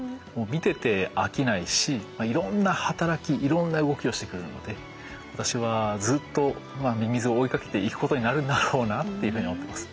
見てて飽きないしいろんな働きいろんな動きをしてくれるので私はずっとミミズを追いかけていくことになるんだろうなというふうに思ってます。